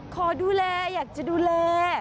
ขอดูแลอยากจะดูแล